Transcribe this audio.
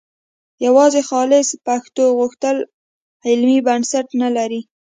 یوازې خالصه پښتو غوښتل علمي بنسټ نه لري